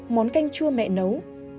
món canh chua mẹ nấu